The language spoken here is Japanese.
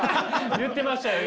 言ってましたよ